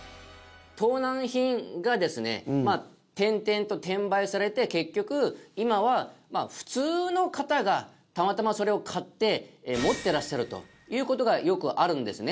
盗難品がですね転々と転売されて結局今は普通の方がたまたまそれを買って持ってらっしゃるという事がよくあるんですね。